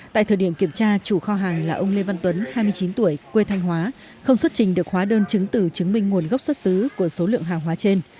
tại thời điểm kiểm tra chủ kho hàng là ông lê văn tuấn hai mươi chín tuổi quê thanh hóa không xuất trình được hóa đơn chứng từ chứng minh nguồn gốc xuất xứ của số lượng hàng hóa trên